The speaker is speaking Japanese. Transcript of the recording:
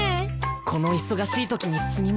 この忙しいときにすみません。